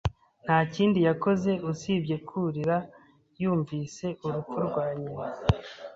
Nta kindi yakoze usibye kurira yumvise urupfu rwa nyina.